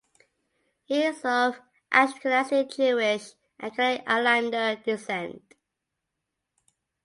He is of Ashkenazi Jewish and Canary Islander descent.